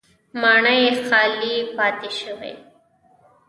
ماڼۍ خالي پاتې شوې